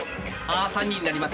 あ３人になります。